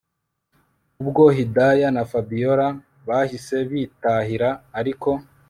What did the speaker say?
Ubwo Hidaya na Fabiora bahise bitahira ariko